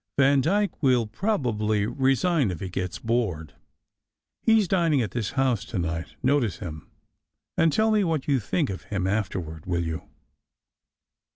Vandyke will probably resign if he gets bored. He s dining at this house to night. Notice him, and tell me what you think of him afterward, will you?"